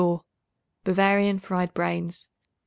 Bavarian Fried Brains.